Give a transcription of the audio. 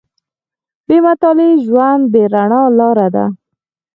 • بې مطالعې ژوند، بې رڼا لاره ده.